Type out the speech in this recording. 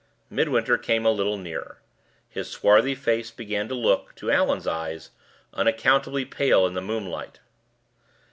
Midwinter came a little nearer. His swarthy face began to look, to Allan's eyes, unaccountably pale in the moonlight.